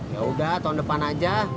yaudah tahun depan aja